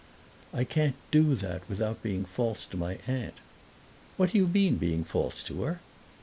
"I can't do that without being false to my aunt." "What do you mean, being false to her?"